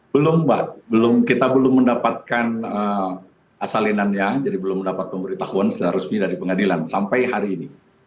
belum mbak kita belum mendapatkan salinannya jadi belum mendapat pemberitahuan secara resmi dari pengadilan sampai hari ini